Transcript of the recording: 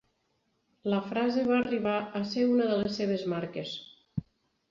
La frase va arribar a ser una de les seves marques.